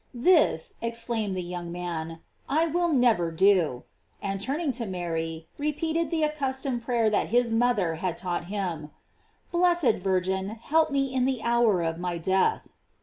"This," exclaimed the young man, "I will never do," and turning to Mary, repeat ed the accustomed prayer that his mother had taught him: Blessed Virgin, help me in the hour of my death.